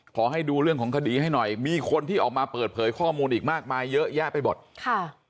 ขอให้ดูเรื่องของคดีให้หน่อยมีคนที่ออกมาเปิดเผยข้อมูลอีกมากมายเยอะแยะไปหมดค่ะ